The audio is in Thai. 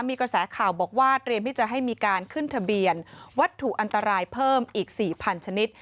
มีกระแสข่าวบอกว่าเตรียมที่จะให้มีการขึ้นทะเบียนวัตถุอันตรายเพิ่มอีก๔๐๐ชนิด